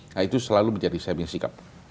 nah itu selalu menjadi semisikap